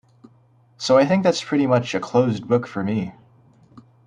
So I think that's pretty much a closed book for me.